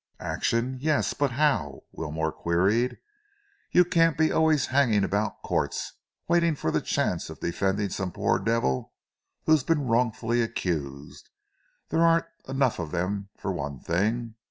"Action, yes, but how?" Wilmore queried. "You can't be always hanging about the courts, waiting for the chance of defending some poor devil who's been wrongfully accused there aren't enough of them, for one thing.